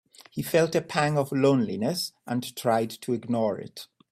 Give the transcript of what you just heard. He felt a pang of loneliness and tried to ignore it.